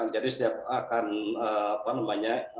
jadi setiap akan apa namanya